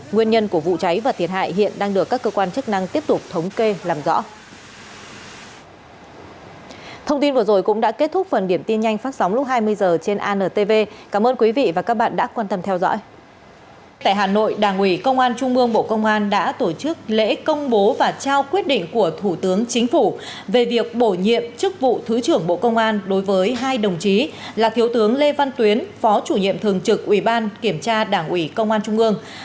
nguyên nhân của vụ cháy và thiệt hại hiện đang được các cơ quan chức năng tiếp tục thống kê làm rõ